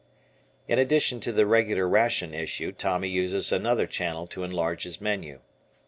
In addition to the regular ration issue Tommy uses another channel to enlarge his menu.